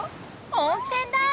温泉だ！